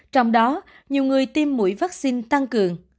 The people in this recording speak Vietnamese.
trong đó nhiều người tiêm mũi vaccine tăng cường